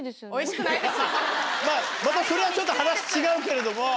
またそれはちょっと話違うけれども。